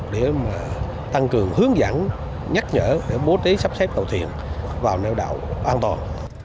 để mà tăng cường hướng dẫn nhắc nhở để bố trí sắp xếp tàu thuyền vào nèo đậu an toàn